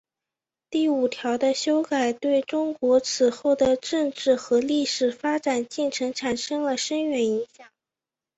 第五条的修改对中国此后的政治和历史发展进程产生了深远影响。